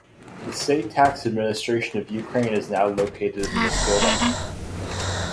The State Tax Administration of Ukraine is now located in this building.